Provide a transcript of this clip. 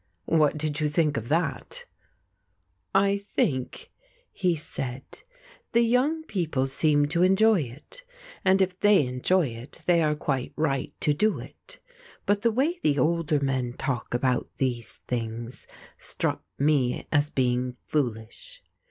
"What did you think of that?" "I think," he said, "the young people seemed to enjoy it, and if they enjoy it they are quite right to do it. But the way the older men talk about these things struck me as being foolish.